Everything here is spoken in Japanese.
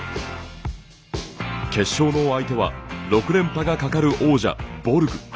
決勝の相手は６連覇が懸かる王者・ボルグ。